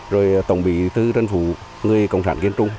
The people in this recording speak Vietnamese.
rồi tổng bí thư trần phú người cộng sản kiên trung